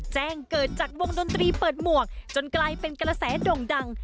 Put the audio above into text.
แจ้งเกิดจากวงดนตรีเปิดหมวกจนกลายเป็นกระแสด่งดัง